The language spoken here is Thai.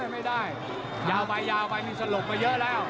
ไม่ได้ยาวไปยาวไปนี่สลบมาเยอะแล้ว